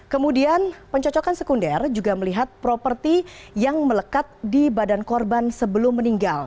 kemudian pencocokan sekunder juga melihat properti yang melekat di badan korban sebelum meninggal